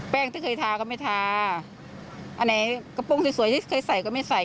ที่เคยทาก็ไม่ทาอันไหนกระโปรงสวยที่เคยใส่ก็ไม่ใส่